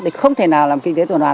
thì không thể nào làm kinh tế tuần hoàn